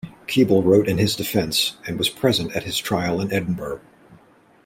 Keble wrote in his defence, and was present at his trial at Edinburgh.